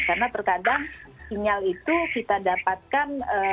karena terkadang sinyal itu kita dapatkan